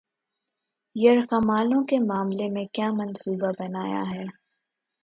یرغمالوں کے معاملے میں کیا منصوبہ بنایا ہے